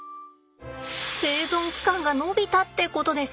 生存期間が延びたってことです。